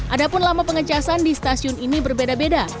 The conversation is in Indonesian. adapun lama pengecasan di stasiun ini berbeda beda